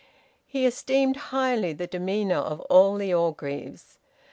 He esteemed highly the demeanour of all the Orgreaves.